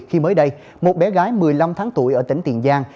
khi mới đây một bé gái một mươi năm tháng tuổi ở tỉnh tiền giang